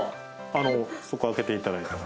あのそこ開けていただいたら。